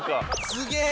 すげえ！